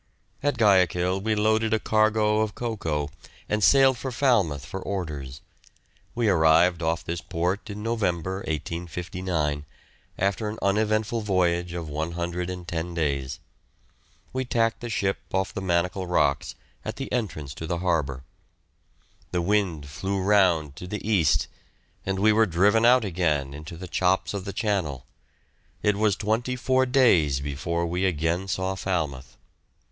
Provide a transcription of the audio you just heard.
At Guayaquil we loaded a cargo of cocoa and sailed for Falmouth for orders. We arrived off this port in November, 1859, after an uneventful voyage of 110 days. We tacked the ship off the Manacle Rocks, at the entrance to the harbour; the wind flew round to the east, and we were driven out again into the chops of the channel; it was twenty four days before we again saw Falmouth.